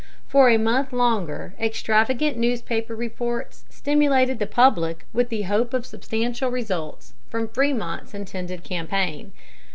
For a month longer extravagant newspaper reports stimulated the public with the hope of substantial results from Frémont's intended campaign.